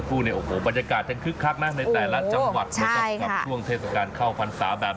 คุณผู้ชมครับตอนนี้เรายังคงแกะเทียนพรรดาสายนะครับ